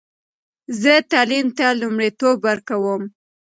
زه تعلیم ته لومړیتوب ورکوم.